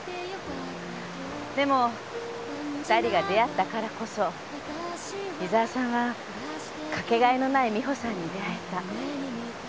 でも２人が出会ったからこそ伊沢さんはかけがえのない美穂さんに出会えた。